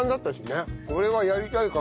これはやりたいかも。